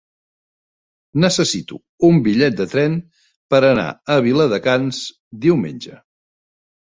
Necessito un bitllet de tren per anar a Viladecans diumenge.